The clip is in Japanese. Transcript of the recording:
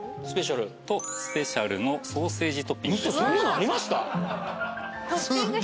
スペシャル。とスペシャルのソーセージトッピングです。